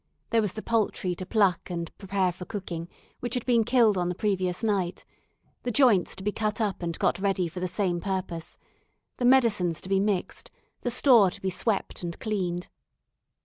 There was the poultry to pluck and prepare for cooking, which had been killed on the previous night; the joints to be cut up and got ready for the same purpose; the medicines to be mixed; the store to be swept and cleaned.